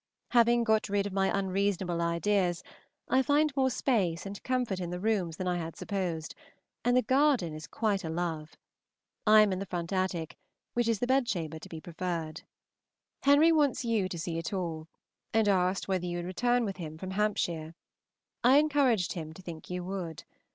Having got rid of my unreasonable ideas, I find more space and comfort in the rooms than I had supposed, and the garden is quite a love. I am in the front attic, which is the bedchamber to be preferred. Henry wants you to see it all, and asked whether you would return with him from Hampshire; I encouraged him to think you would.